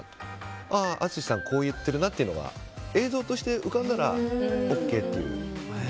こう言ってるなっていうのが映像として浮かんだらＯＫっていう。